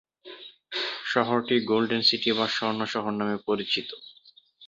শহরটি golden city বা স্বর্ণ শহর নামে পরিচিত।